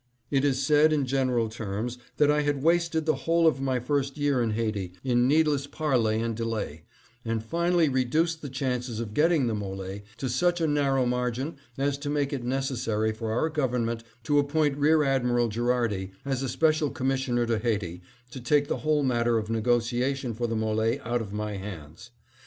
It is said, in general terms, that I wasted the whole of my first year in Haiti in needless parley and delay, and finally reduced the chances of getting the M61e to such a narrow margin as to make it necessary for our government to appoint Rear Admiral Gherardi as a special commissioner to Haiti to take the whole matter of negotiation for the M61e out of my hands.